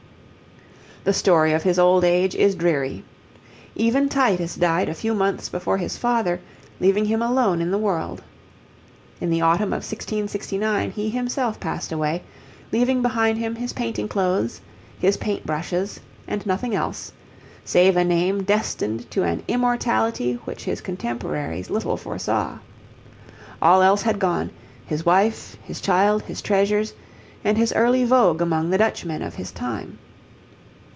The story of his old age is dreary. Even Titus died a few months before his father, leaving him alone in the world. In the autumn of 1669 he himself passed away, leaving behind him his painting clothes, his paint brushes, and nothing else, save a name destined to an immortality which his contemporaries little foresaw. All else had gone: his wife, his child, his treasures, and his early vogue among the Dutchmen of his time.